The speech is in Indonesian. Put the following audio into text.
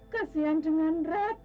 kasihan dengan ratih